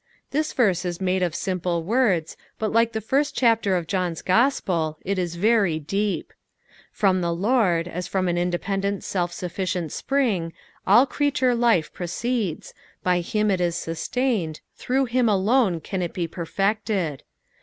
This verse Is made of simple words, bat like the first chapter of John's Gospel, it is very deep. From the Lord, aa from an independent self sufficient spnng, all creature life proceeds, by him it is suatoined, through him alone can it be perfected.